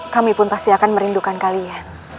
kami pun pasti akan merindukan kalian